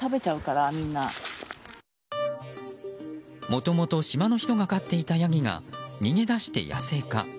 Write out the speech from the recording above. もともと島の人が飼っていたヤギが逃げ出して野生化。